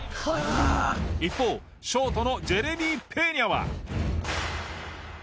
一方ショートのジェレミー・ペーニャは。